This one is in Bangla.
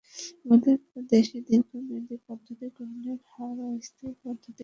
আমাদের দেশে দীর্ঘমেয়াদি পদ্ধতি গ্রহণের হার অস্থায়ী পদ্ধতি গ্রহণের তুলনায় কম।